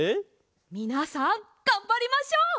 みなさんがんばりましょう！